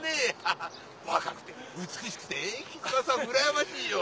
若くて美しくて貴島さんうらやましいよ。